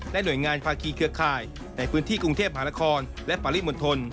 หน่วยงานภาคีเครือข่ายในพื้นที่กรุงเทพหานครและปริมณฑล